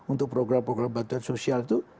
untuk program program bantuan sosial itu